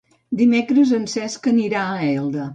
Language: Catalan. Dimecres en Cesc anirà a Elda.